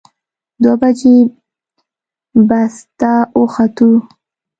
دوه بجې بس ته وختو.